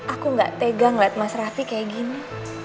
aku gak tega ngeliat mas raffi kayak gini